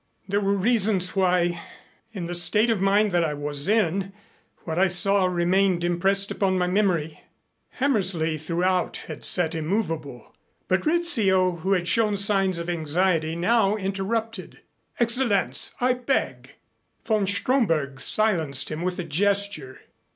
"There were reasons why, in the state of mind that I was in, what I saw remained impressed upon my memory." Hammersley throughout had sat immovable. But Rizzio, who had shown signs of anxiety, now interrupted. "Excellenz, I beg " Von Stromberg silenced him with a gesture.